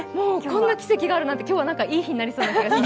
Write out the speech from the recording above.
こんな奇跡があるなんて、今日はいい日になりそうです。